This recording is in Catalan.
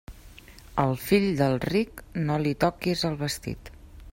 Al fill del ric, no li toques el vestit.